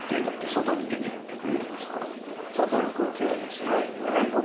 外に出てってくれるんですから。